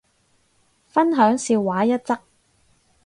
分享笑話一則